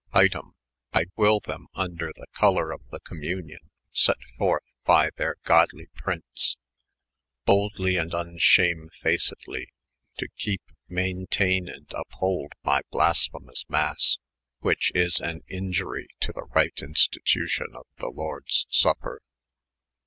Item, I wyl them, vnder the colonr of the Com munion set furthe by their godly Prince, boldly and vn shamefastly to keepe, maintayne, & ypholde my blaspbe mons Masse, which is an iniurye to the right institncion of the Lordes Supper.